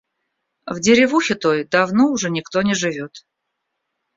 В деревухе той давно уже никто не живёт.